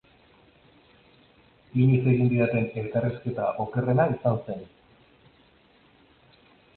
Inoiz egin didaten elkarrizketa okerrena izan zen.